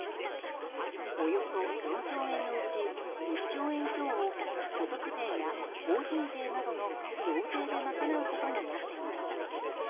およそ４兆円のうち、１兆円強を所得税や法人税などの増税で賄うことになっていました。